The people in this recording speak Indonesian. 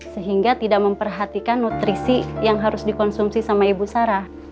sehingga tidak memperhatikan nutrisi yang harus dikonsumsi sama ibu sarah